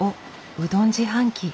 うどん自販機。